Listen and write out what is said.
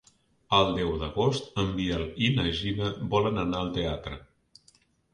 El deu d'agost en Biel i na Gina volen anar al teatre.